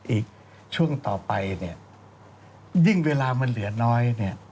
อีกช่วงต่อไปยิ่งเวลามันเหลือน้อย